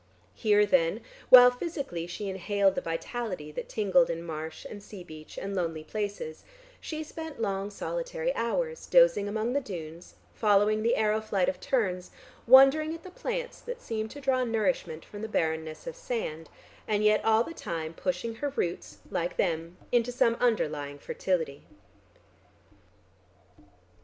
Here then, while physically she inhaled the vitality that tingled in marsh and sea beach and lonely places, she spent long solitary hours, dozing among the dunes, following the arrow flight of terns, wondering at the plants that seemed to draw nourishment from the barrenness of sand, and yet all the time pushing her roots, like them, into some underlying fertility.